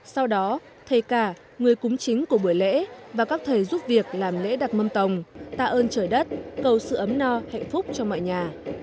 sau đó thầy cả người cúng chính của buổi lễ và các thầy giúp việc làm lễ đặt mâm tồng tạ ơn trời đất cầu sự ấm no hạnh phúc cho mọi nhà